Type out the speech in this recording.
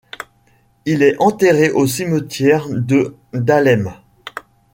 Il est enterré au cimetière de Dahlem.